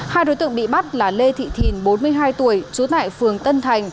hai đối tượng bị bắt là lê thị thìn bốn mươi hai tuổi trú tại phường tân thành